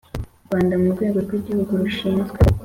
Rwanda mu rwego rw igihugu rushinzwe